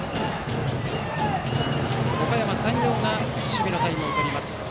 おかやま山陽が守備のタイムをとります。